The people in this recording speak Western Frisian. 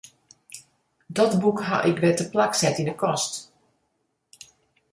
Dat boek haw ik wer teplak set yn 'e kast.